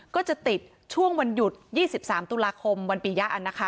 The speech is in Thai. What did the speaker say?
ก็จะติดช่วงวันหยุด๒๓ตุลาคมวันปียะนะคะ